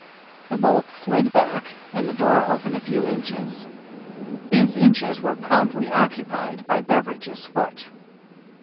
The bolt slid back, and the door opened a few inches. These inches were promptly occupied by Beveridge's foot.